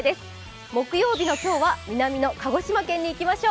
木曜日の今日は南の鹿児島県に行きましょう。